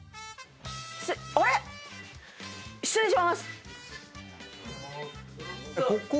あれっ⁉失礼します。